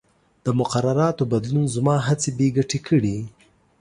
د مقرراتو بدلون زما هڅې بې ګټې کړې.